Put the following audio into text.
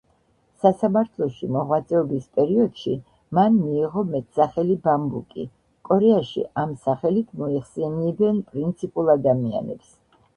სასამართლოში მოღვაწეობის პერიოდში მან მიიღო მეტსახელი „ბამბუკი“, კორეაში ამ სახელით მოიხსენიებენ პრინციპულ ადამიანებს.